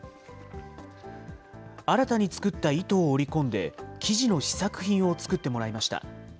新たに作った糸を織り込んで生地の試作品を作ってもらいました。